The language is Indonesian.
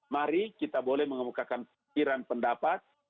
mari kita boleh mengemukakan pikiran pendapat